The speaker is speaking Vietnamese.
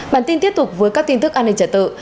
bản tin tiếp tục với các tin tức an ninh trật tự